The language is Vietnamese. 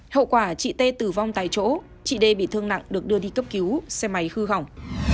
hậu quả chị tê tử vong tại chỗ chị đê bị thương nặng được đưa đi cấp cứu xe máy hư hỏng